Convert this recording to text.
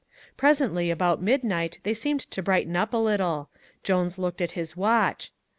Presently about midnight they seemed to brighten up a little. Jones looked at his watch.